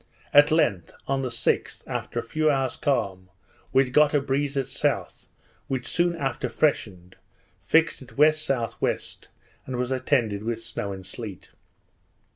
At length, on the 6th, after a few hours calm, we got a breeze at south, which soon after freshened, fixed at W.S.W., and was attended with snow and sleet.